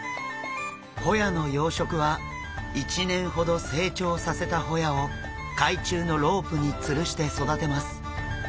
ホヤの養殖は１年ほど成長させたホヤを海中のロープにつるして育てます。